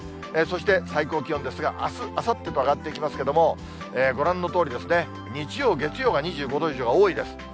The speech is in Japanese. そして最高気温ですが、あす、あさってと上がっていきますけれども、ご覧のとおり、日曜、月曜が２５度以上が多いです。